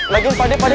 lagi pak deh pak deh